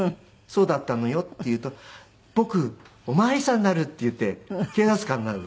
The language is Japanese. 「そうだったのよ」って言うと「僕お巡りさんになる」って言って警察官になる。